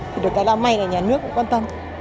thì được cái lao may là nhà nước cũng quan tâm